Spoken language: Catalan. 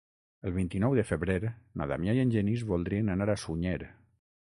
El vint-i-nou de febrer na Damià i en Genís voldrien anar a Sunyer.